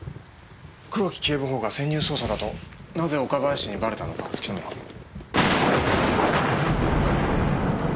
黒木警部補が潜入捜査だとなぜ岡林にバレたのか突き止めろ。